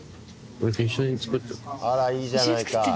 あらいいじゃないか！